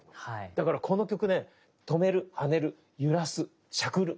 だからこの曲ね止める跳ねる揺らすしゃくる